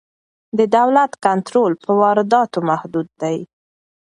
د دولت کنټرول پر وارداتو محدود دی.